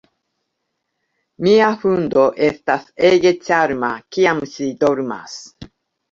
Mia hundo estas ege ĉarma, kiam ŝi dormas.